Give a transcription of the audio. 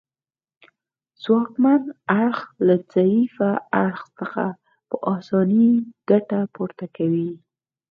ځواکمن اړخ له ضعیف اړخ څخه په اسانۍ ګټه پورته کوي